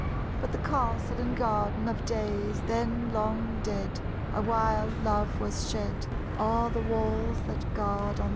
But the castle and garden Of days then long dead, Awhile love was shed O'er the walls that guard on LOVE LIES A COLD.